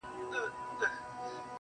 هغه مي سرې سترگي زغملای نسي~